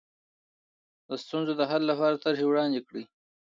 د ستونزو د حل لپاره طرحې وړاندې کړئ.